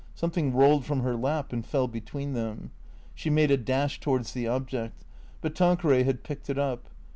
Something rolled from her lap and fell between them. She made a dash towards the object. But Tanqueray had picked it up.